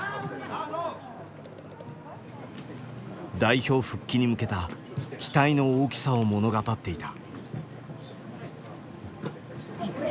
代表復帰に向けた期待の大きさを物語っていた。